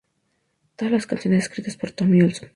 Todas las canciones escritas por Tommy Olsson.